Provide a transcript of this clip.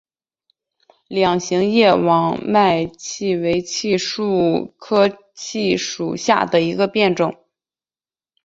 两型叶网脉槭为槭树科槭属下的一个变种。